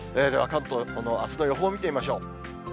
では、関東のあすの予報を見てみましょう。